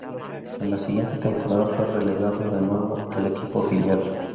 En la siguiente temporada fue relegado de nuevo al equipo filial.